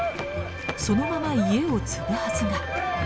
そのまま家を継ぐはずが。